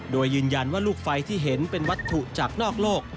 โดยยืนยันว่าลูกไฟที่เห็นเป็นวัตถุจากนอกโลก